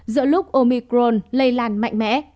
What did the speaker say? giữa lúc omicron lây lan mạnh mẽ